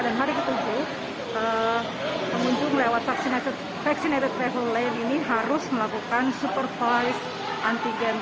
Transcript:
dan hari ketujuh pengunjung lewat vaccinated travel lane ini harus melakukan supervised antigen